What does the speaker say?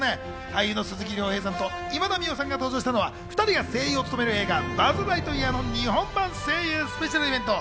俳優の鈴木亮平さんと今田美桜さんが登場したのは２人が声優を務める映画『バズ・ライトイヤー』の日本版声優スペシャルイベント。